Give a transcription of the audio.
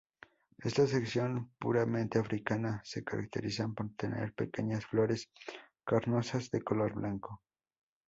Esta sección, puramente africana, se caracterizan por tener pequeñas flores carnosas de color blanco.